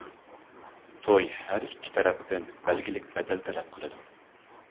توي ھەر ئىككى تەرەپتىن بەلگىلىك بەدەل تەلەپ قىلىدۇ.